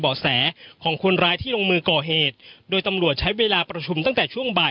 แสของคนร้ายที่ลงมือก่อเหตุโดยตำรวจใช้เวลาประชุมตั้งแต่ช่วงบ่าย